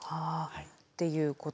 っていうこと。